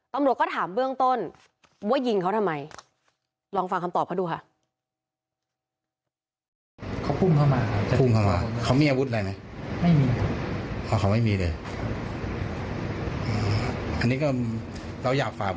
ตำรวจก็ถามเบื้องต้นว่ายิงเขาทำไมลองฟังคำตอบเขาดูค่ะ